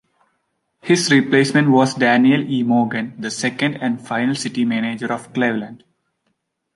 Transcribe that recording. His replacement was Daniel E. Morgan, the second and final city manager of Cleveland.